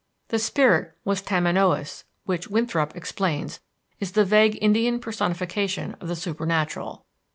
The spirit was Tamanoüs, which, Winthrop explains, is the vague Indian personification of the supernatural.